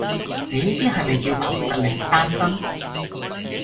你呢啲係咪叫憑實力單身？